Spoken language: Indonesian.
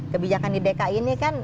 kebijakan di dki ini kan